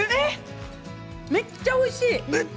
めっちゃおいしい。